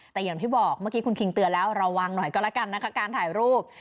แต่อย่างที่บอกเมื่อกี้คุณคิงเตือนแล้วระวังหน่อยก็แล้วกันนะคะการถ่ายรูป